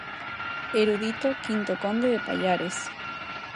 Erudito, quinto conde de Pallares.